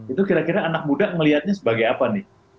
itu kira kira anak muda melihatnya sebagai apa nih